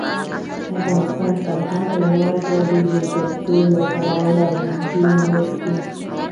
افغانستان تر هغو نه ابادیږي، ترڅو لوبغالي جوړ نشي.